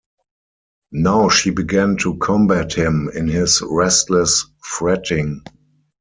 Now she began to combat him in his restless fretting.